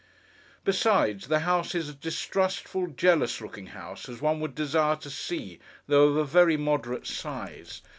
Besides, the house is a distrustful, jealous looking house as one would desire to see, though of a very moderate size.